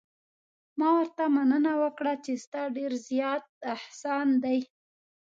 ما ورته مننه وکړه چې ستا ډېر زیات احسان دی.